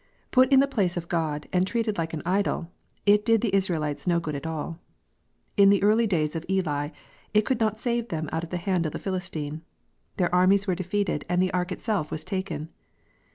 Put in the place of God, and treated like an idol, it did the Israelites no good at all. In the days of Eli, it could not save them out of the hand of the Philistine. Their armies were defeated, and the ark itself was taken.